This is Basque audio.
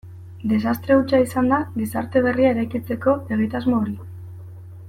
Desastre hutsa izan da gizarte berria eraikitzeko egitasmo hori.